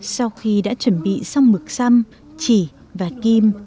sau khi đã chuẩn bị xong mực xăm chỉ và kim